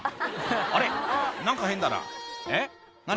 「あれ何か変だなえっ何？」